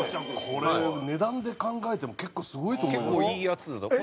これ値段で考えても結構すごいと思いますよ。